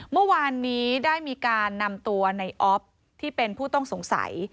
เมื่อวานนี้ได้มีการนำตัวในออฟที่เป็นผู้ต้องสงสัย